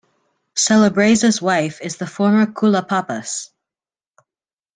Celebrezze's wife is the former Koula Pappas.